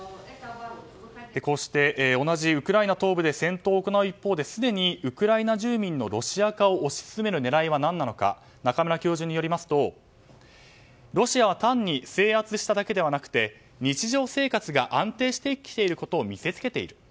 こうして同じウクライナ東部で戦闘を行う一方ですでにウクライナ住民のロシア化を推し進める狙いは何なのか中村教授によりますとロシアは単に制圧しただけではなくて日常生活が安定してきていることを見せつけている。